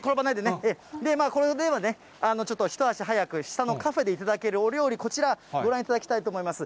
これで、ちょっと一足早く下のカフェで頂けるお料理、こちら、ご覧いただきたいと思います。